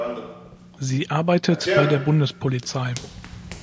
Sie arbeitet bei der Bundespolizei.